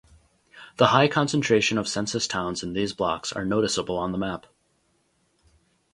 The high concentration of census towns in these blocks are noticeable on the map.